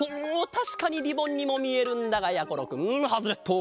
たしかにリボンにもみえるんだがやころくんハズレット！